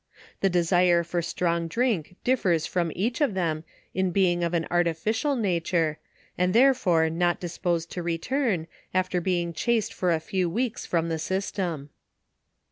The desire for strong drink, differs from each of them, in being of an artificial nature, and therefore wot disposed to return, after being chased for a few weeks from the system.